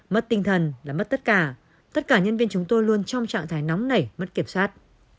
mất tinh thần là mất tất cả tất cả nhân viên chúng tôi luôn trong trạng thái nóng nảy mất kiểm soát